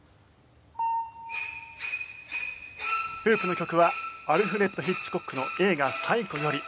フープの曲はアルフレッド・ヒッチコックの映画『サイコ』より。